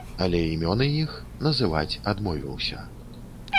Але імёны іх назваць адмовіўся.